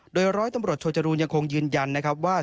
โดยร้อยตำรวจโทจรูนยังคงยืนยันนะครับว่า